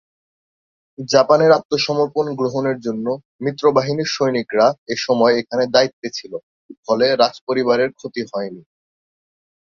জাপানের আত্মসমর্পণ গ্রহণের জন্য মিত্রবাহিনীর সৈনিকরা এসময় এখানে দায়িত্বে ছিল ফলে রাজপরিবারের ক্ষতি হয়নি।